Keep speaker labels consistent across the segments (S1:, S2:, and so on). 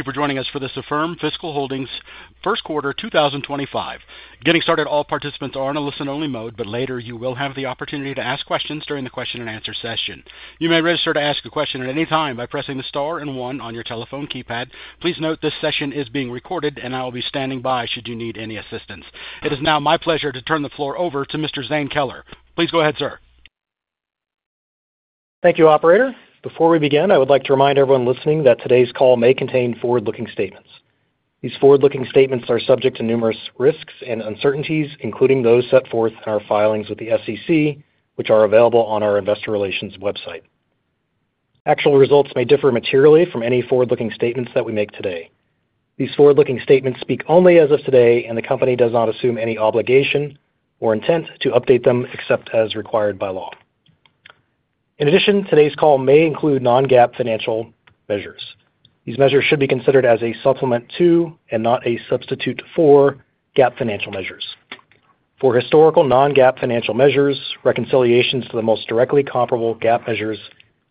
S1: Thank you for joining us for this Affirm Holdings Q1 2025. Getting started, all participants are in a listen-only mode, but later you will have the opportunity to ask questions during the question-and-answer session. You may register to ask a question at any time by pressing the star and one on your telephone keypad. Please note this session is being recorded, and I will be standing by should you need any assistance. It is now my pleasure to turn the floor over to Mr. Zane Keller. Please go ahead, sir.
S2: Thank you, Operator. Before we begin, I would like to remind everyone listening that today's call may contain forward-looking statements. These forward-looking statements are subject to numerous risks and uncertainties, including those set forth in our filings with the SEC, which are available on our investor relations website. Actual results may differ materially from any forward-looking statements that we make today. These forward-looking statements speak only as of today, and the company does not assume any obligation or intent to update them except as required by law. In addition, today's call may include non-GAAP financial measures. These measures should be considered as a supplement to and not a substitute for GAAP financial measures. For historical non-GAAP financial measures, reconciliations to the most directly comparable GAAP measures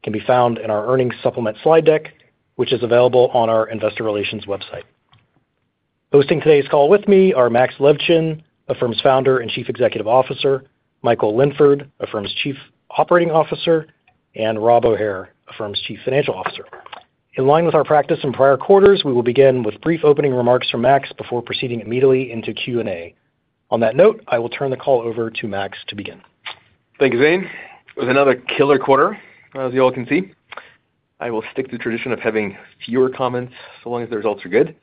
S2: can be found in our earnings supplement slide deck, which is available on our investor relations website. Hosting today's call with me are Max Levchin, Affirm's founder and Chief Executive Officer, Michael Linford, Affirm's Chief Operating Officer, and Rob O'Hare, Affirm's Chief Financial Officer. In line with our practice in prior quarters, we will begin with brief opening remarks from Max before proceeding immediately into Q&A. On that note, I will turn the call over to Max to begin.
S3: Thank you, Zane. It was another killer quarter, as you all can see. I will stick to the tradition of having fewer comments so long as the results are good.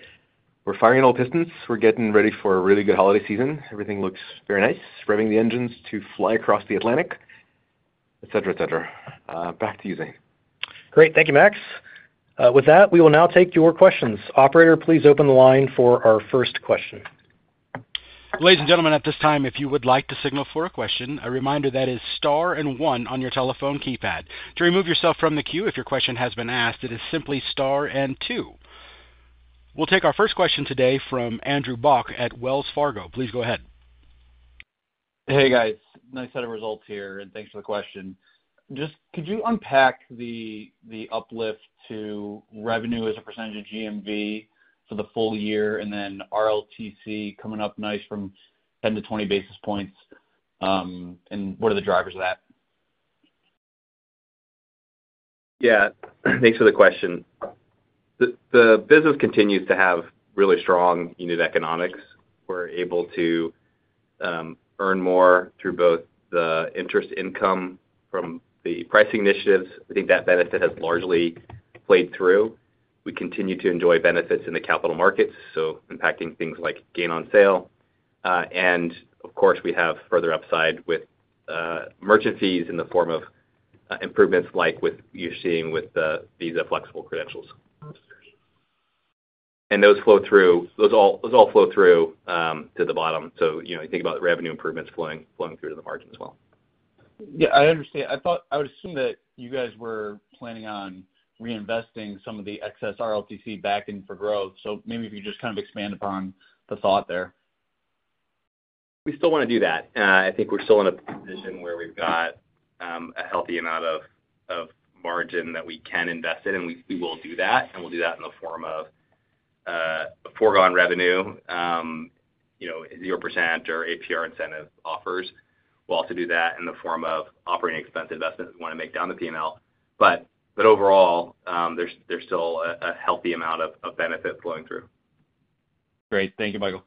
S3: We're firing in all pistons. We're getting ready for a really good holiday season. Everything looks very nice, revving the engines to fly across the Atlantic, etc., etc. Back to you, Zane.
S2: Great. Thank you, Max. With that, we will now take your questions. Operator, please open the line for our first question.
S1: Ladies and gentlemen, at this time, if you would like to signal for a question, a reminder that is star and one on your telephone keypad. To remove yourself from the queue, if your question has been asked, it is simply star and two. We'll take our first question today from Andrew Bauch at Wells Fargo. Please go ahead.
S4: Hey, guys. Nice set of results here, and thanks for the question. Just could you unpack the uplift to revenue as a percentage of GMV for the full year and then RLTC coming up nice from 10 to 20 basis points, and what are the drivers of that?
S3: Yeah. Thanks for the question. The business continues to have really strong unit economics. We're able to earn more through both the interest income from the pricing initiatives. I think that benefit has largely played through. We continue to enjoy benefits in the capital markets, so impacting things like gain on sale. And of course, we have further upside with merchant fees in the form of improvements like you're seeing with the Visa Flexible Credentials. And those all flow through to the bottom. So you think about revenue improvements flowing through to the margin as well.
S4: Yeah, I understand. I thought I would assume that you guys were planning on reinvesting some of the excess RLTC back in for growth. So maybe if you could just kind of expand upon the thought there.
S3: We still want to do that. I think we're still in a position where we've got a healthy amount of margin that we can invest in, and we will do that and we'll do that in the form of foregone revenue, 0% or APR incentive offers. We'll also do that in the form of operating expense investment we want to make down the P&L, but overall, there's still a healthy amount of benefit flowing through.
S5: Great. Thank you, Michael.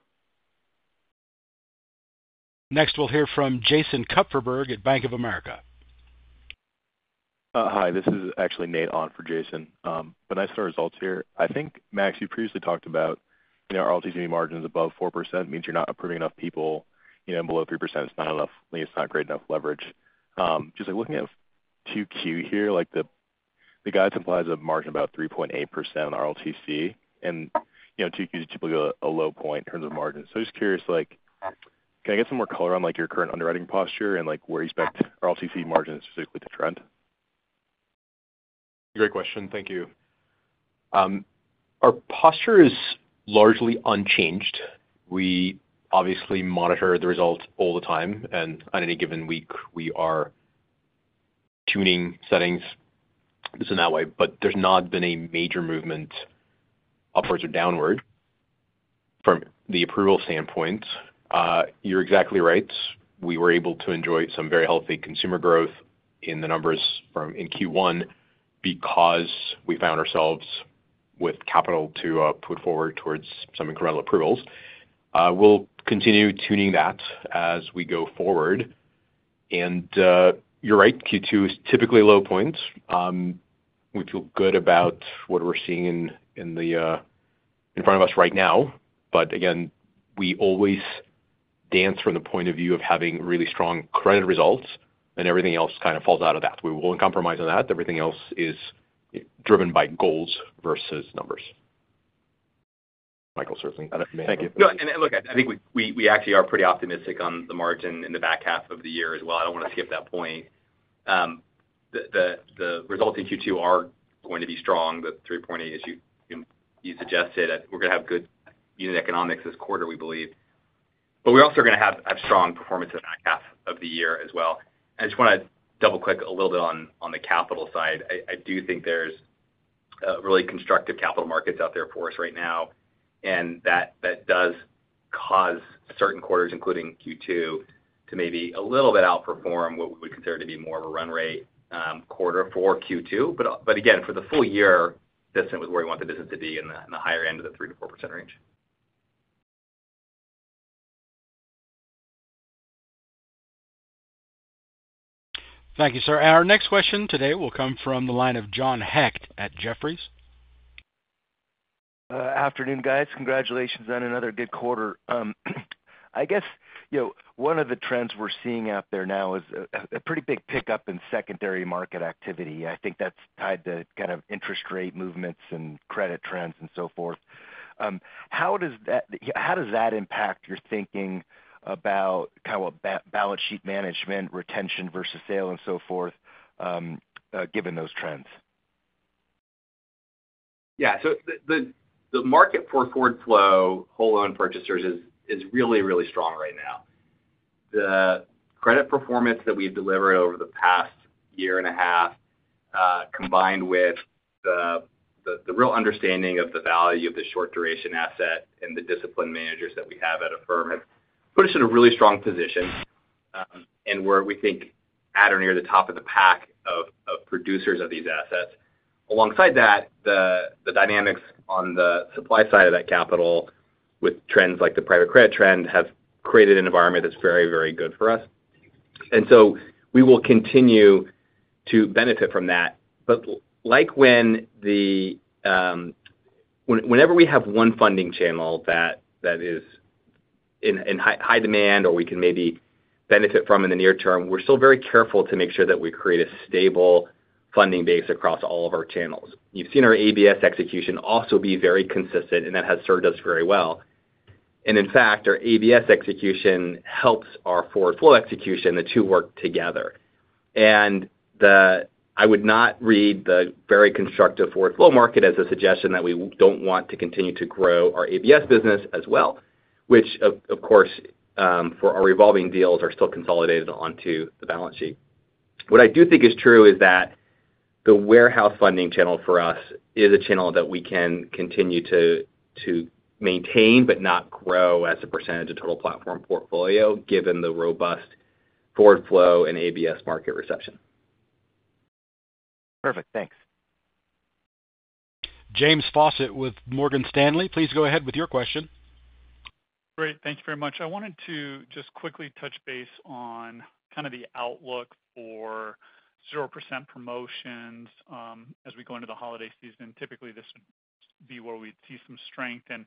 S1: Next, we'll hear from Jason Kupferberg at Bank of America. Hi. This is actually Nate Arndt for Jason but nice to start results here. I think, Max, you previously talked about RLTC margins above 4% means you're not approving enough people. And below 3%, it's not enough. It's not great enough leverage. Just looking at 2Q here, the guidance implies a margin of about 3.8% on RLTC. And 2Q is typically a low point in terms of margins, so I'm just curious, can I get some more color on your current underwriting posture and where you expect RLTC margins to trend?
S5: Great question. Thank you. Our posture is largely unchanged. We obviously monitor the results all the time, and on any given week, we are tuning settings in that way, but there's not been a major movement upwards or downward from the approval standpoint. You're exactly right. We were able to enjoy some very healthy consumer growth in the numbers in Q1 because we found ourselves with capital to put forward towards some incremental approvals. We'll continue tuning that as we go forward, and you're right, Q2 is typically low points. We feel good about what we're seeing in front of us right now, but again, we always dance from the point of view of having really strong credit results, and everything else kind of falls out of that. We won't compromise on that. Everything else is driven by goals versus numbers. Michael, certainly. Thank you.
S3: No, and look, I think we actually are pretty optimistic on the margin in the back half of the year as well. I don't want to skip that point. The results in Q2 are going to be strong, the 3.8%, as you suggested. We're going to have good unit economics this quarter, we believe. But we're also going to have strong performance in the back half of the year as well. I just want to double-click a little bit on the capital side. I do think there's really constructive capital markets out there for us right now. And that does cause certain quarters, including Q2, to maybe a little bit outperform what we would consider to be more of a run rate quarter for Q2. But again, for the full year, this is where we want the business to be in the higher end of the 3 to 4 range.
S1: Thank you, sir. And our next question today will come from the line of John Hecht at Jefferies.
S6: Afternoon, guys. Congratulations on another good quarter. I guess one of the trends we're seeing out there now is a pretty big pickup in secondary market activity. I think that's tied to kind of interest rate movements and credit trends and so forth. How does that impact your thinking about kind of what balance sheet management, retention versus sale, and so forth, given those trends?
S3: Yeah. So the market for forward flow whole loan purchasers is really, really strong right now. The credit performance that we've delivered over the past year and a half, combined with the real understanding of the value of the short-duration asset and the disciplined managers that we have at Affirm, have put us in a really strong position. And we're, we think, at or near the top of the pack of producers of these assets. Alongside that, the dynamics on the supply side of that capital, with trends like the private credit trend, have created an environment that's very, very good for us. And so we will continue to benefit from that. But like whenever we have one funding channel that is in high demand or we can maybe benefit from in the near term, we're still very careful to make sure that we create a stable funding base across all of our channels. You've seen our ABS execution also be very consistent, and that has served us very well. And in fact, our ABS execution helps our forward flow execution. The two work together. And I would not read the very constructive forward flow market as a suggestion that we don't want to continue to grow our ABS business as well, which, of course, for our revolving deals, are still consolidated onto the balance sheet. What I do think is true is that the warehouse funding channel for us is a channel that we can continue to maintain but not grow as a percentage of total platform portfolio, given the robust forward flow and ABS market reception.
S6: Perfect. Thanks.
S1: James Faucette with Morgan Stanley. Please go ahead with your question.
S7: Great. Thank you very much. I wanted to just quickly touch base on kind of the outlook for 0% promotions as we go into the holiday season. Typically, this would be where we'd see some strength. And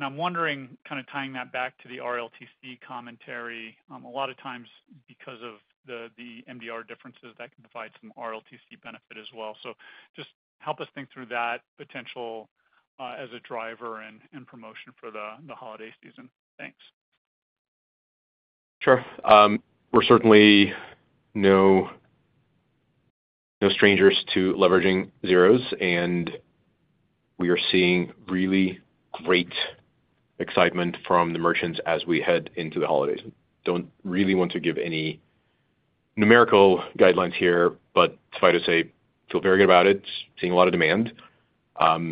S7: I'm wondering, kind of tying that back to the RLTC commentary, a lot of times because of the MDR differences, that can provide some RLTC benefit as well. So just help us think through that potential as a driver and promotion for the holiday season. Thanks.
S5: Sure. We're certainly no strangers to leveraging zeros, and we are seeing really great excitement from the merchants as we head into the holidays. Don't really want to give any numerical guidelines here, but I'd just say we feel very good about it, seeing a lot of demand. Let's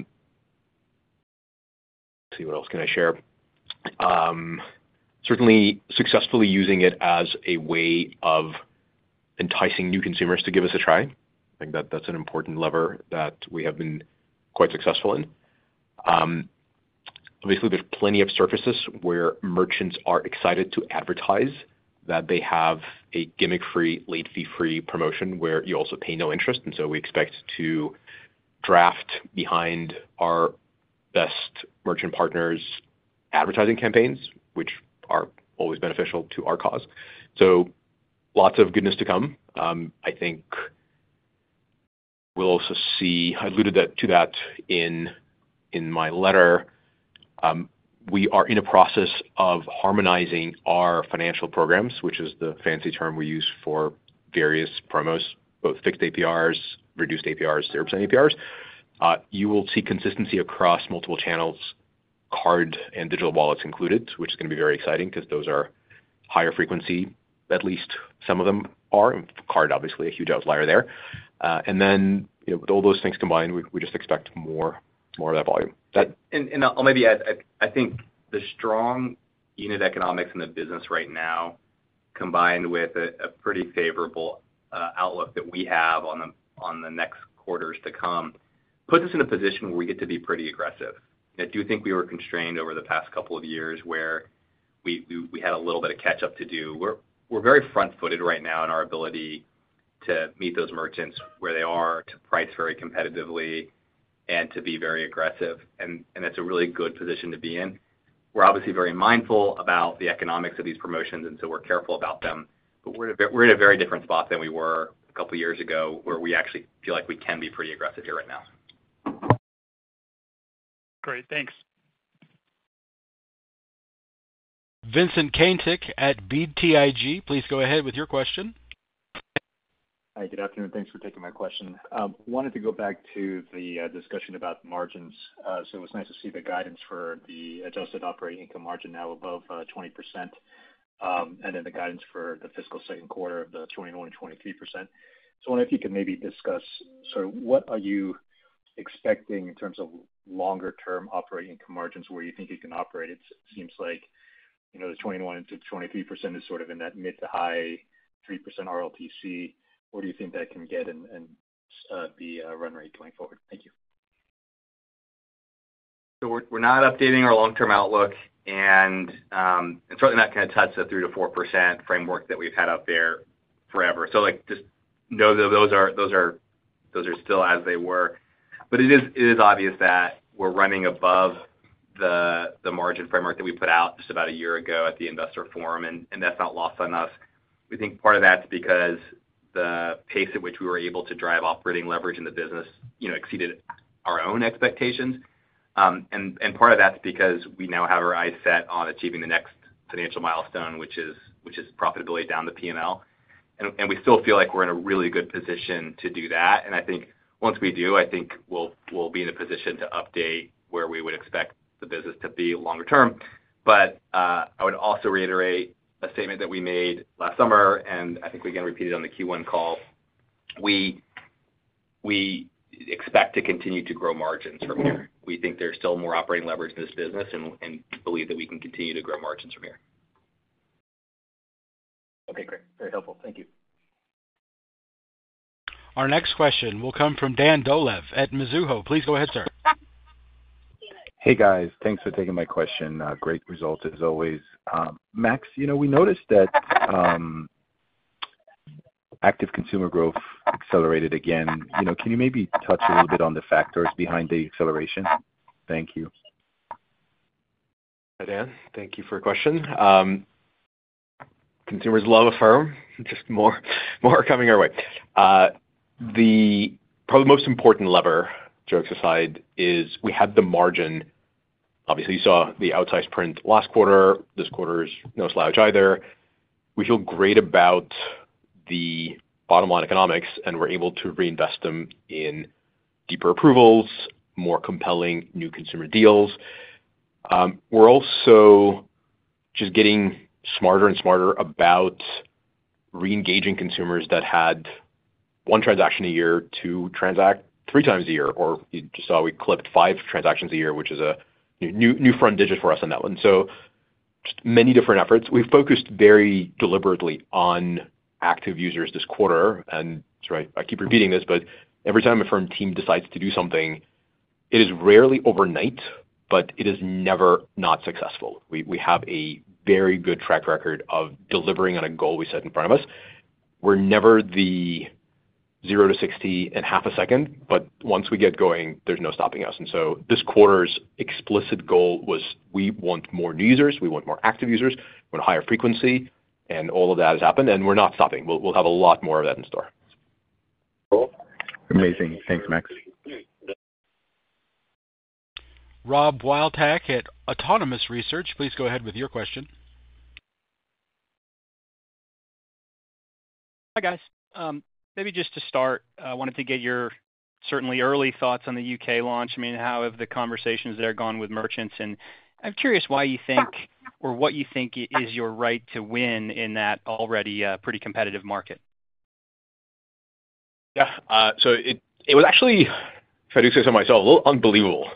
S5: see, what else can I share? Certainly, successfully using it as a way of enticing new consumers to give us a try. I think that that's an important lever that we have been quite successful in. Obviously, there's plenty of surfaces where merchants are excited to advertise that they have a gimmick-free, late-fee-free promotion where you also pay no interest. And so we expect to draft behind our best merchant partners' advertising campaigns, which are always beneficial to our cause. So lots of goodness to come. I think we'll also see. I alluded to that in my letter. We are in a process of harmonizing our financial programs, which is the fancy term we use for various promos, both fixed APRs, reduced APRs, 0% APRs. You will see consistency across multiple channels, card and digital wallets included, which is going to be very exciting because those are higher frequency, at least some of them are, and card, obviously, a huge outlier there, and then with all those things combined, we just expect more of that volume.
S3: And I'll maybe add, I think the strong unit economics in the business right now, combined with a pretty favorable outlook that we have on the next quarters to come, puts us in a position where we get to be pretty aggressive. I do think we were constrained over the past couple of years where we had a little bit of catch-up to do. We're very front-footed right now in our ability to meet those merchants where they are, to price very competitively, and to be very aggressive. And that's a really good position to be in. We're obviously very mindful about the economics of these promotions, and so we're careful about them. But we're in a very different spot than we were a couple of years ago, where we actually feel like we can be pretty aggressive here right now.
S7: Great. Thanks.
S1: Vincent Caintic at BTIG, please go ahead with your question.
S8: Hi, good afternoon. Thanks for taking my question. Wanted to go back to the discussion about margins. So it was nice to see the guidance for the adjusted operating income margin now above 20%, and then the guidance for the fiscal Q2 of 21%-23%. So I wonder if you could maybe discuss sort of what are you expecting in terms of longer-term operating income margins where you think you can operate. It seems like the 21%-23% is sort of in that mid to high 3% RLTC. Where do you think that can get and be a run rate going forward? Thank you.
S3: We're not updating our long-term outlook, and certainly that kind of touches the 3%-4% framework that we've had out there forever. Just know that those are still as they were. But it is obvious that we're running above the margin framework that we put out just about a year ago at the investor forum, and that's not lost on us. We think part of that's because the pace at which we were able to drive operating leverage in the business exceeded our own expectations. And part of that's because we now have our eyes set on achieving the next financial milestone, which is profitability down the P&L. And we still feel like we're in a really good position to do that. And I think once we do, I think we'll be in a position to update where we would expect the business to be longer term. But I would also reiterate a statement that we made last summer, and I think we again repeated on the Q1 call. We expect to continue to grow margins from here. We think there's still more operating leverage in this business and believe that we can continue to grow margins from here. Okay, great. Very helpful. Thank you.
S1: Our next question will come from Dan Dolev at Mizuho. Please go ahead, sir.
S9: Hey, guys. Thanks for taking my question. Great result as always. Max, we noticed that active consumer growth accelerated again. Can you maybe touch a little bit on the factors behind the acceleration? Thank you.
S3: Hi, Dan. Thank you for your question. Consumers love Affirm. Just more coming our way. Probably the most important lever, jokes aside, is we had the margin. Obviously, you saw the outsized print last quarter. This quarter is no slouch either. We feel great about the bottom line economics, and we're able to reinvest them in deeper approvals, more compelling new consumer deals. We're also just getting smarter and smarter about re-engaging consumers that had one transaction a year, two transactions, three times a year, or you just saw we clipped five transactions a year, which is a new front digit for us on that one. So just many different efforts. We focused very deliberately on active users this quarter, and sorry, I keep repeating this, but every time Affirm team decides to do something, it is rarely overnight, but it is never not successful. We have a very good track record of delivering on a goal we set in front of us. We're never the 0 to 60 in half a second, but once we get going, there's no stopping us. And so this quarter's explicit goal was we want more new users, we want more active users, we want a higher frequency, and all of that has happened, and we're not stopping. We'll have a lot more of that in store.
S9: Cool. Amazing. Thanks, Max.
S1: Rob Wildhack at Autonomous Research. Please go ahead with your question.
S10: Hi, guys. Maybe just to start, I wanted to get your certainly early thoughts on the UK launch. I mean, how have the conversations there gone with merchants? And I'm curious why you think, or what you think is your right to win in that already pretty competitive market?
S3: Yeah. So it was actually, if I do say so myself, a little unbelievable.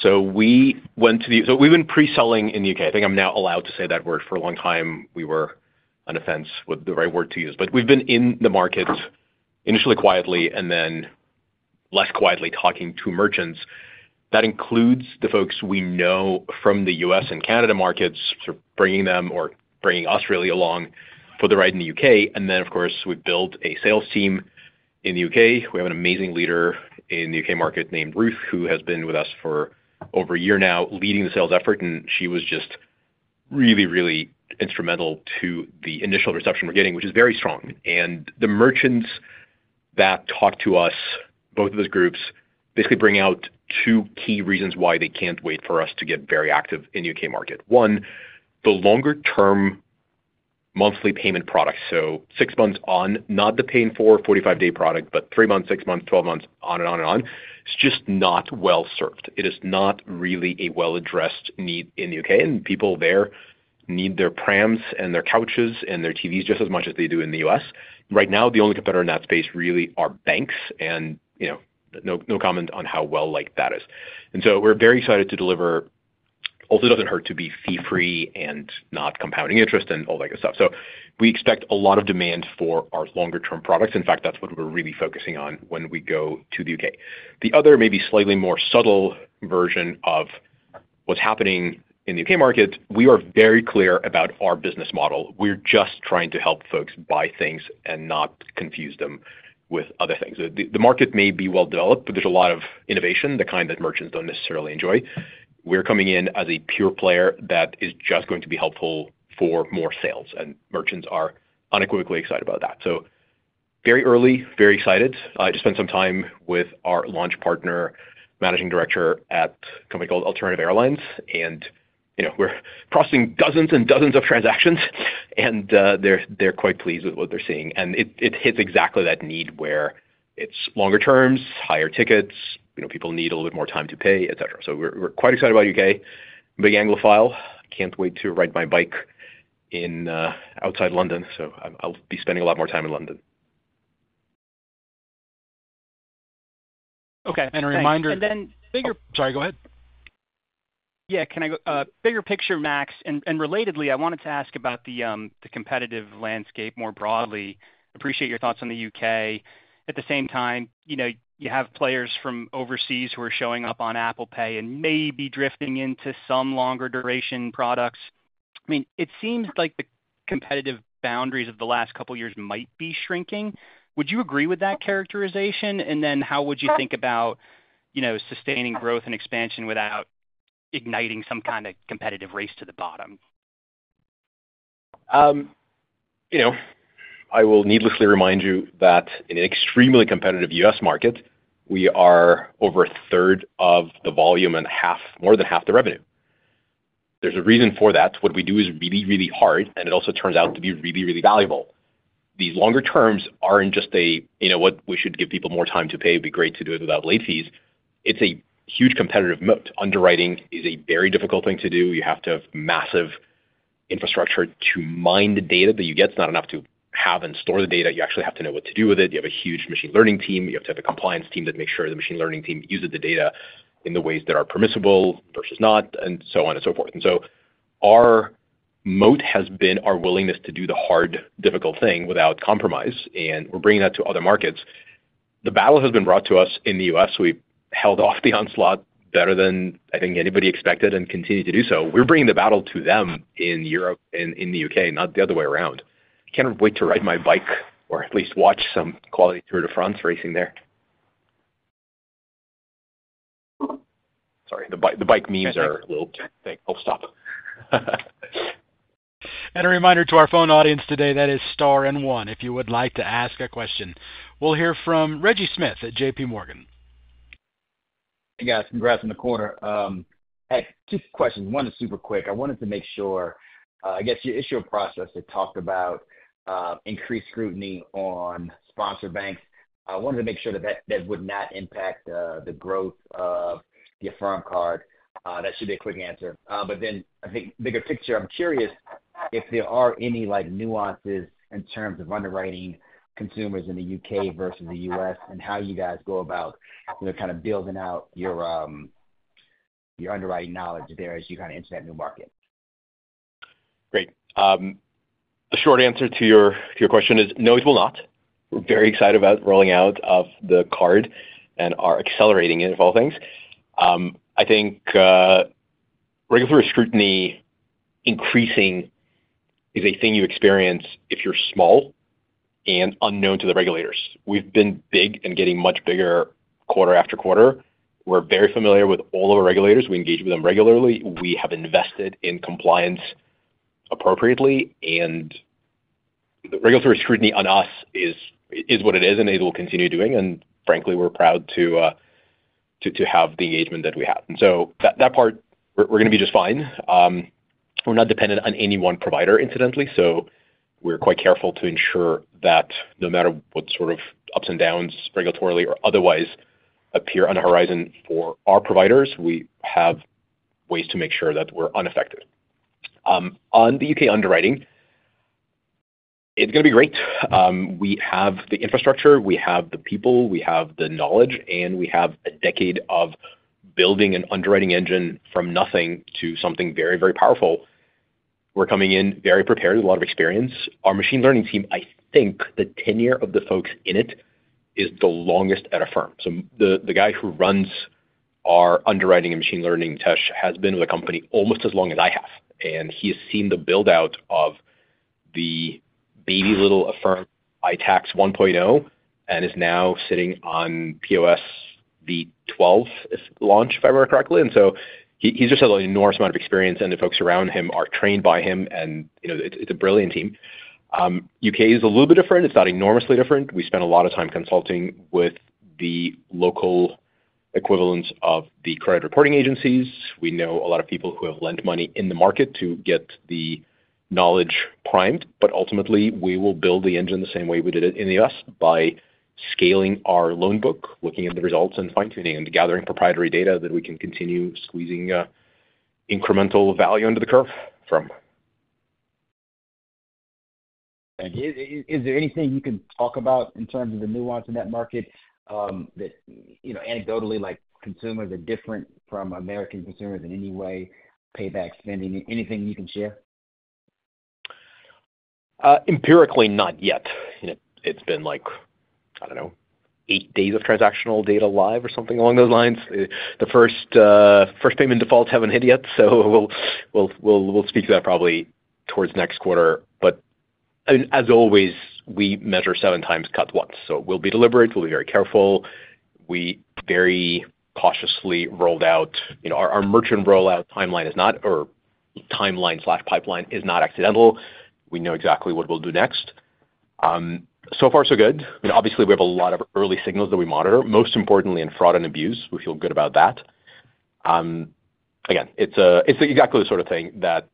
S3: So we've been pre-selling in the UK. I think I'm now allowed to say that word for a long time. We were on the fence with the right word to use. But we've been in the market initially quietly and then less quietly talking to merchants. That includes the folks we know from the US and Canada markets, sort of bringing them or bringing Australia along for the ride in the UK. And then, of course, we've built a sales team in the UK. We have an amazing leader in the UK market named Ruth, who has been with us for over a year now leading the sales effort. And she was just really, really instrumental to the initial reception we're getting, which is very strong. And the merchants that talked to us, both of those groups, basically bring out two key reasons why they can't wait for us to get very active in the U.K. market. One, the longer-term monthly payment product. So six months on, not the paying for 45-day product, but three months, six months, 12 months, on and on and on. It's just not well served. It is not really a well-addressed need in the U.K. And people there need their prams and their couches and their TVs just as much as they do in the U.S. Right now, the only competitor in that space really are banks, and no comment on how well-liked that is. And so we're very excited to deliver. Also doesn't hurt to be fee-free and not compounding interest and all that good stuff. So we expect a lot of demand for our longer-term products. In fact, that's what we're really focusing on when we go to the U.K. The other maybe slightly more subtle version of what's happening in the U.K. market, we are very clear about our business model. We're just trying to help folks buy things and not confuse them with other things. The market may be well developed, but there's a lot of innovation, the kind that merchants don't necessarily enjoy. We're coming in as a pure player that is just going to be helpful for more sales. And merchants are unequivocally excited about that, so very early, very excited. I just spent some time with our launch partner, managing director at a company called Alternative Airlines, and we're processing dozens and dozens of transactions, and they're quite pleased with what they're seeing. It hits exactly that need where it's longer terms, higher tickets, people need a little bit more time to pay, etc. We're quite excited about UK. Big Anglophile. Can't wait to ride my bike outside London. I'll be spending a lot more time in London.
S10: Okay.
S3: And a reminder. Sorry, go ahead.
S10: Yeah, can I go? Bigger picture, Max. And relatedly, I wanted to ask about the competitive landscape more broadly. Appreciate your thoughts on the UK. At the same time, you have players from overseas who are showing up on Apple Pay and maybe drifting into some longer duration products. I mean, it seems like the competitive boundaries of the last couple of years might be shrinking. Would you agree with that characterization? And then how would you think about sustaining growth and expansion without igniting some kind of competitive race to the bottom?
S3: I will needlessly remind you that in an extremely competitive U.S. market, we are over a third of the vlume and more than half the revenue. There's a reason for that. What we do is really, really hard, and it also turns out to be really, really valuable. These longer terms aren't just a, you know what, we should give people more time to pay, it'd be great to do it without late fees. It's a huge competitive moat. Underwriting is a very difficult thing to do. You have to have massive infrastructure to mine the data that you get. It's not enough to have and store the data. You actually have to know what to do with it. You have a huge machine learning team. You have to have a compliance team that makes sure the machine learning team uses the data in the ways that are permissible versus not, and so on and so forth. And so our moat has been our willingness to do the hard, difficult thing without compromise. And we're bringing that to other markets. The battle has been brought to us in the U.S. We've held off the onslaught better than I think anybody expected and continue to do so. We're bringing the battle to them in Europe and in the U.K., not the other way around. Can't wait to ride my bike or at least watch some quality Tour de France racing there. Sorry, the bike memes are a little, thanks. Oh, stop.
S1: A reminder to our phone audience today, that is star and one if you would like to ask a question. We'll hear from Reggie Smith at J.P. Morgan.
S11: Hey, guys. Congrats on the quarter. Hey, two questions. One is super quick. I wanted to make sure, I guess your 8-K had talked about increased scrutiny on sponsor banks. I wanted to make sure that that would not impact the growth of the Affirm Card. That should be a quick answer. But then I think bigger picture, I'm curious if there are any nuances in terms of underwriting consumers in the U.K. versus the U.S. and how you guys go about kind of building out your underwriting knowledge there as you kind of enter that new market.
S5: Great. The short answer to your question is no. It will not. We're very excited about rolling out the card and are accelerating it, of all things. I think regulatory scrutiny increasing is a thing you experience if you're small and unknown to the regulators. We've been big and getting much bigger quarter after quarter. We're very familiar with all of our regulators. We engage with them regularly. We have invested in compliance appropriately, and the regulatory scrutiny on us is what it is, and it will continue doing. Frankly, we're proud to have the engagement that we have, and so that part, we're going to be just fine. We're not dependent on any one provider, incidentally. So we're quite careful to ensure that no matter what sort of ups and downs regulatorily or otherwise appear on the horizon for our providers, we have ways to make sure that we're unaffected. On the UK underwriting, it's going to be great. We have the infrastructure. We have the people. We have the knowledge. And we have a decade of building an underwriting engine from nothing to something very, very powerful. We're coming in very prepared, a lot of experience. Our machine learning team, I think the tenure of the folks in it is the longest at Affirm. So the guy who runs our underwriting and machine learning team has been with the company almost as long as I have. And he has seen the build-out of the baby little Affirm ITACS 1.0 and is now sitting on POS V12 launch, if I remember correctly. And so he's just had an enormous amount of experience, and the folks around him are trained by him. And it's a brilliant team. The U.K. is a little bit different. It's not enormously different. We spend a lot of time consulting with the local equivalents of the credit reporting agencies. We know a lot of people who have lent money in the market to get the knowledge primed. But ultimately, we will build the engine the same way we did it in the U.S. by scaling our loan book, looking at the results and fine-tuning and gathering proprietary data that we can continue squeezing incremental value under the curve from.
S11: Is there anything you can talk about in terms of the nuance in that market that anecdotally, like consumers are different from American consumers in any way, payback spending, anything you can share?
S5: Empirically, not yet. It's been like, I don't know, eight days of transactional data live or something along those lines. The first payment defaults haven't hit yet. So we'll speak to that probably towards next quarter. But I mean, as always, we measure seven times cut once. So we'll be deliberate. We'll be very careful. We very cautiously rolled out. Our merchant rollout timeline is not, or timeline slash pipeline is not accidental. We know exactly what we'll do next. So far, so good. I mean, obviously, we have a lot of early signals that we monitor, most importantly in fraud and abuse. We feel good about that. Again, it's exactly the sort of thing that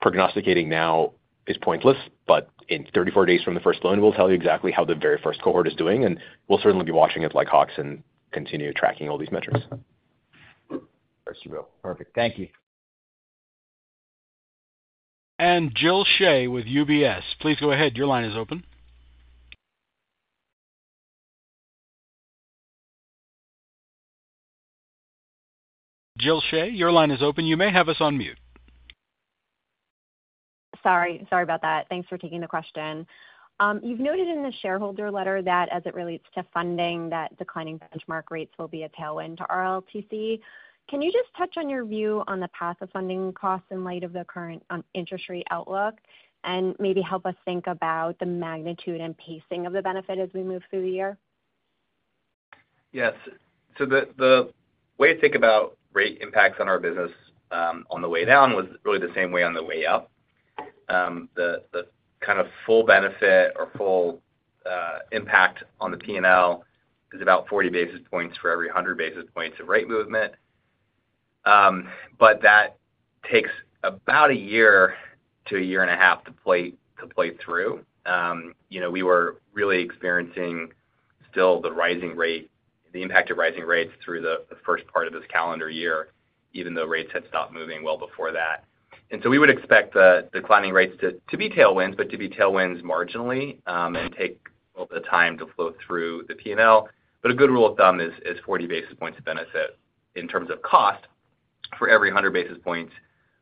S5: prognosticating now is pointless, but in 34 days from the first loan, we'll tell you exactly how the very first cohort is doing. We'll certainly be watching it like hawks and continue tracking all these metrics.
S11: There she goes. Perfect. Thank you.
S1: Jill Shea with UBS. Please go ahead. Your line is open. Jill Shea, your line is open. You may have us on mute.
S12: Sorry. Sorry about that. Thanks for taking the question. You've noted in the shareholder letter that as it relates to funding, that declining benchmark rates will be a tailwind to RLTC. Can you just touch on your view on the path of funding costs in light of the current interest rate outlook and maybe help us think about the magnitude and pacing of the benefit as we move through the year?
S5: Yes. So the way I think about rate impacts on our business on the way down was really the same way on the way up. The kind of full benefit or full impact on the P&L is about 40 basis points for every 100 basis points of rate movement. But that takes about a year to a year and a half to play through. We were really experiencing still the rising rate, the impact of rising rates through the first part of this calendar year, even though rates had stopped moving well before that. And so we would expect the declining rates to be tailwinds, but to be tailwinds marginally and take a time to flow through the P&L. But a good rule of thumb is 40 basis points of benefit in terms of cost for every 100 basis points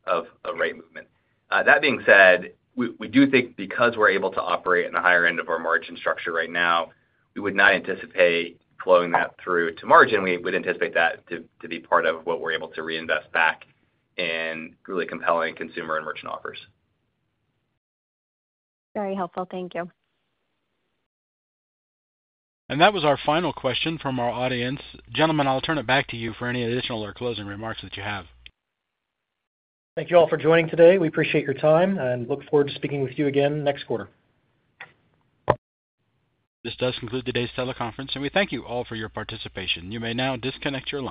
S5: of rate movement. That being said, we do think because we're able to operate in the higher end of our margin structure right now, we would not anticipate flowing that through to margin. We would anticipate that to be part of what we're able to reinvest back in really compelling consumer and merchant offers.
S12: Very helpful. Thank you.
S1: That was our final question from our audience. Gentlemen, I'll turn it back to you for any additional or closing remarks that you have.
S2: Thank you all for joining today. We appreciate your time and look forward to speaking with you again next quarter.
S1: This does conclude today's teleconference, and we thank you all for your participation. You may now disconnect your line.